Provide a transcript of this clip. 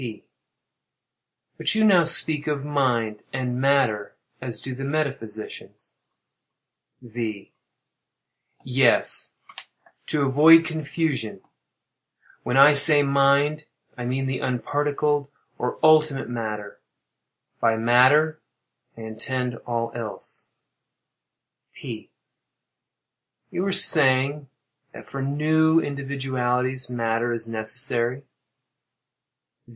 P. But you now speak of "mind" and "matter" as do the metaphysicians. V. Yes—to avoid confusion. When I say "mind," I mean the unparticled or ultimate matter; by "matter," I intend all else. P. You were saying that "for new individualities matter is necessary."